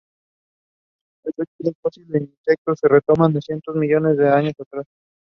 El registro fósil de insectos se remonta a cientos de millones de años atrás.